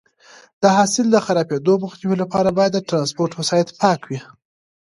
د حاصل د خرابېدو مخنیوي لپاره باید د ټرانسپورټ وسایط پاک وي.